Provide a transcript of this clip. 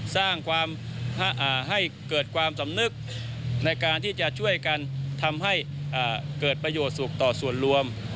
สร้างความให้เกิดความสำนึกในการที่จะช่วยกันทำให้เกิดประโยชน์สุขต่อส่วนรวม